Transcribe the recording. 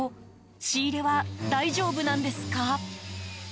仕入れは大丈夫なんですか？